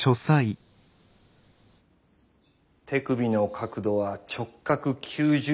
手首の角度は直角９０°を保つ。